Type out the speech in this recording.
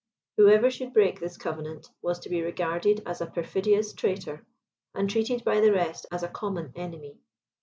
Whoever should break this covenant, was to be regarded as a perfidious traitor, and treated by the rest as a common enemy.